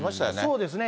そうですね。